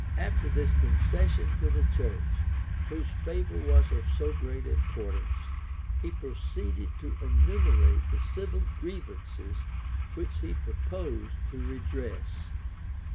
After this concession to the church, whose favor was of so great importance, he proceeded to enumerate the civil grievances which he purposed to redress.